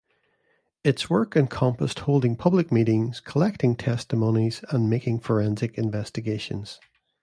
Its work encompassed holding public meetings, collecting testimonies, and making forensic investigations.